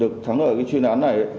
được thắng ở cái chuyên án này